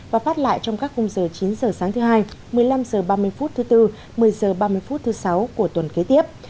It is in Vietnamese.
và phát lại trong các khung giờ chín h sáng thứ hai một mươi năm h ba mươi phút thứ bốn một mươi h ba mươi phút thứ sáu của tuần kế tiếp